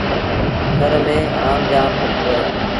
ٿر ميݩ آم جآم پوکبو اهي۔